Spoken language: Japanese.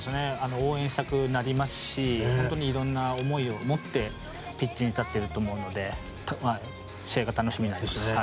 応援したくなりますし色んな思いを持ってピッチに立っていると思うので試合が楽しみになります。